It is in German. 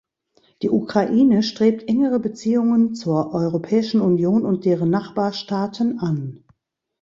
Die Ukraine strebt engere Beziehungen zur Europäischen Union und deren Nachbarstaaten an.